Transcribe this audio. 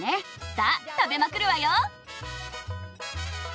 さあ食べまくるわよ！